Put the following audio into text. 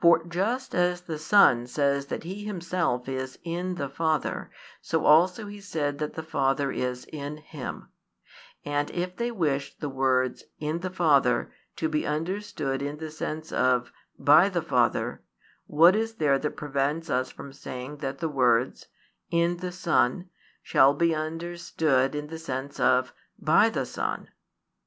For just as the Son says that He Himself is "in" the Father, so also He said that the Father, is "in" Him: and if they wish the words "in the Father" to be understood in the sense of "by the Father," what is there that prevents us from saying that the words "in the Son" |282 shall be understood in the sense of "by the Son